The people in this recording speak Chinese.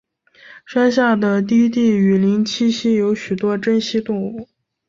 山下的低地雨林栖息有许多珍稀动物。